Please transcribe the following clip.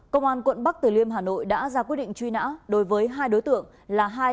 công an quận bắc từ liêm hà nội đã ra quyết định truy nã đối với hai đối tượng là